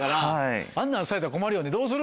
あんなんされたら困るよねどうする？